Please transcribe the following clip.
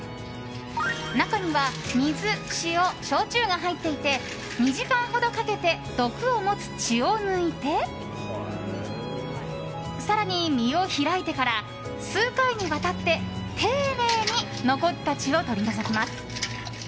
中には水、塩、焼酎が入っていて２時間ほどかけて毒を持つ血を抜いて更に、身を開いてから数回にわたって丁寧に残った血を取り除きます。